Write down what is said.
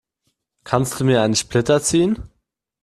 Kannst du mir einen Splitter ziehen?